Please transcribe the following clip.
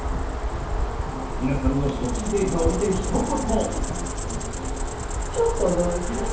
皆さんの食事データを見てひと言。